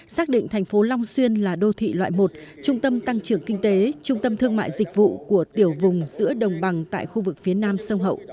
xác định thành phố long xuyên là đô thị loại một trung tâm tăng trưởng kinh tế trung tâm thương mại dịch vụ của tiểu vùng giữa đồng bằng tại khu vực phía nam sông hậu